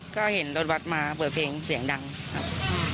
ก็เห็นรถวัดมาเปิดเพลงเสียงดังครับ